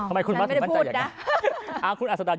อ้าวน่าไม่ได้พูดนะ